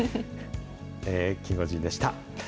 キンゴジンでした。